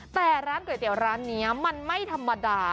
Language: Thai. แต่ร้านก๋วยเตี๋ยวร้านนี้มันไม่ธรรมดา